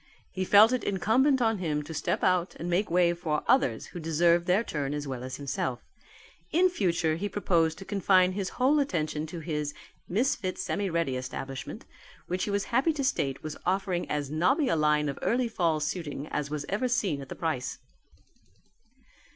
He felt it incumbent on him to step out and make way for others who deserved their turn as well as himself: in future he proposed to confine his whole attention to his Misfit Semi Ready Establishment which he was happy to state was offering as nobby a line of early fall suiting as was ever seen at the price."